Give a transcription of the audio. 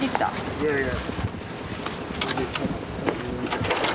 いやいや。